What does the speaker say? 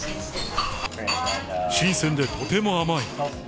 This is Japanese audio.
新鮮でとても甘い。